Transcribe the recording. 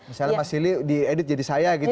misalnya mas sili diedit jadi saya gitu